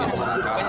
di jepang selalu ada